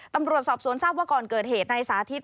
ตำรวจสอบสวนทราบว่าก่อนเกิดเหตุนายสาธิต